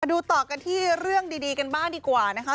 ดูต่อกันที่เรื่องดีกันบ้างดีกว่านะคะ